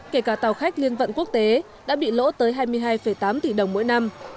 kể cả tàu khách liên vận quốc tế đã bị lỗ tới hai mươi hai tám tỷ đồng mỗi năm